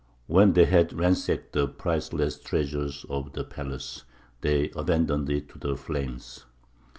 When they had ransacked the priceless treasures of the palace, they abandoned it to the flames.